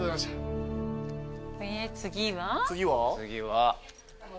次は？